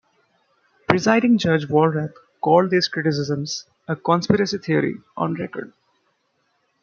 Presiding Judge Walwrath called these criticisms a "conspiracy theory" on record.